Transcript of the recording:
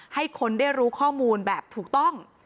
ให้คนได้รู้ข้อมูลแบบถูกต้อง